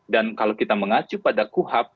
dan kalau kita mengacu pada kuhap